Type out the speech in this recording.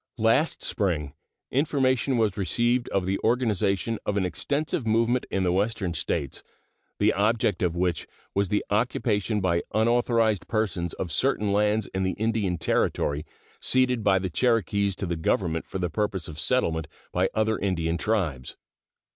Last spring information was received of the organization of an extensive movement in the Western States, the object of which was the occupation by unauthorized persons of certain lands in the Indian Territory ceded by the Cherokees to the Government for the purpose of settlement by other Indian tribes.